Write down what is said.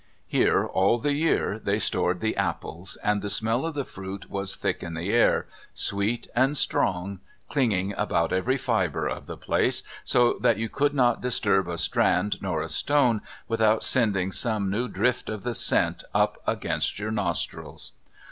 Here, all the year, they stored the apples, and the smell of the fruit was thick in the air, sweet and strong, clinging about every fibre of the place, so that you could not disturb a strand nor a stone without sending some new drift of the scent up against your nostrils.